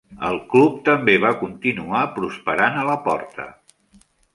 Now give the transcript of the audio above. El club també va continuar prosperant a la porta.